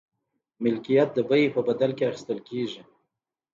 ملکیت د بیې په بدل کې اخیستل کیږي.